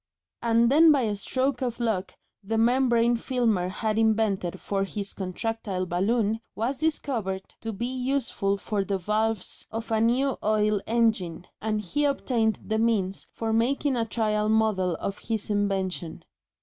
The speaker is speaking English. And then by a stroke of luck the membrane Filmer had invented for his contractile balloon was discovered to be useful for the valves of a new oil engine, and he obtained the means for making a trial model of his invention.